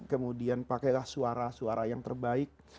kemudian pakailah suara suara yang terbaik